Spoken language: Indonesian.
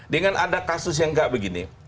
dengan ada kasus yang nggak begini